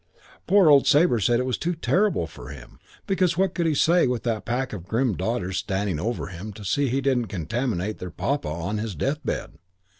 Poor old Sabre said it was too terrible for him, because what could he say with that pack of grim daughters standing over him to see he didn't contaminate their papa on his death bed?